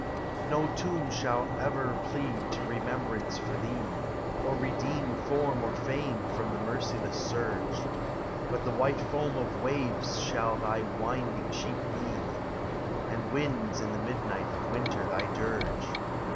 No tomb shall o'er plead to remembrance for thee, Or redeem form or fame from the merciless surge ;/ HE SE i. m Bui the white foam of waves shall thy winding Bheel be, And winds in the midnight of winter thy dirge!